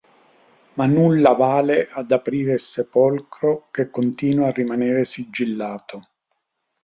Ma nulla vale ad aprire il sepolcro che continua a rimanere sigillato.